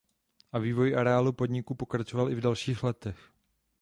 A vývoj areálu podniku pokračoval i v dalších letech.